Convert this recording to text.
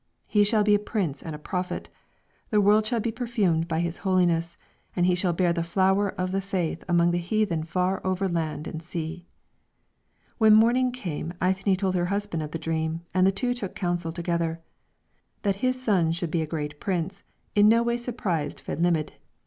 He shall be a prince and a prophet; the world shall be perfumed by his holiness; and he shall bear the flower of the faith among the heathen far over land and sea." When morning came Eithne told her husband of the dream, and the two took counsel together. That his son should be a great prince in no way surprised Fedhlimidh.